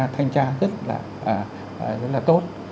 người ta kiểm tra rất là tốt